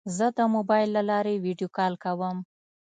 زه د موبایل له لارې ویدیو کال کوم.